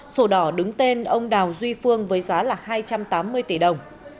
sổ đỏ đứng tên ông đào duy phương với giá là hai trăm tám mươi tỷ đồng